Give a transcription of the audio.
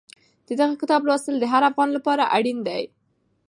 د دغه کتاب لوستل د هر افغان لپاره اړین دي.